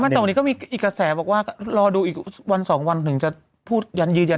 แต่วันนี้ก็มีอีกกระแสบอกว่ารอดูอีกวันสองวันถึงจะพูดยันยืนยัน